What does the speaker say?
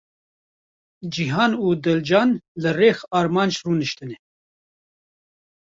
Cîhan û Dilcan li rex Armanc rûniştine.